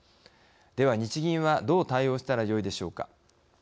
では、日銀はどう対応したらよいでしょうか。